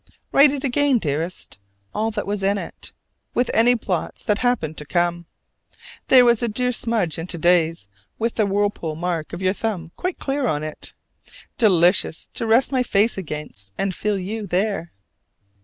(Write it again, dearest, all that was in it, with any blots that happened to come: there was a dear smudge in to day's, with the whirlpool mark of your thumb quite clear on it, delicious to rest my face against and feel you there.)